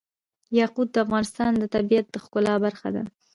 یاقوت د افغانستان د طبیعت د ښکلا برخه ده.